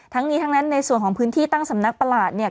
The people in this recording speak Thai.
ทั้งนี้ทั้งนั้นในส่วนของพื้นที่ตั้งสำนักประหลาดเนี่ย